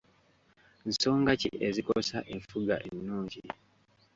Nsonga ki ezikosa enfuga ennungi?